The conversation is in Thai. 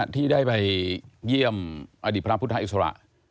ที่ได้ไปเยี่ยมอดีตพระพุทธอิสระ